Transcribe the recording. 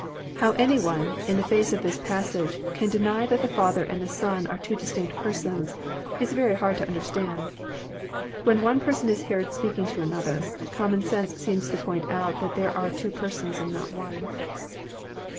How any one, in the face of this passage, can deny that the Father and the Son are two distinct Persons, it is very hard to understand. When one person is heard speaking to another, common sense seems to point out that there are two persons, and not one.